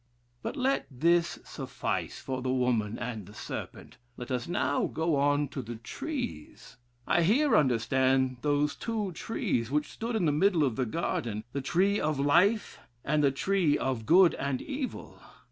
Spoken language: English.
But let this suffice for the woman and serpent; let us now go on to the trees. I here understand those two trees, which stood in the middle of the garden, the tree of life, and the tree of good and evil.